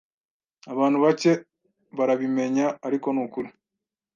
Abantu bake barabimenya, ariko nukuri.